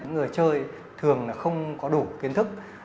người chơi thường không có đủ kiến thức